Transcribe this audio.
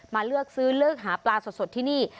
เลือกซื้อเลือกหาปลาสดที่นี่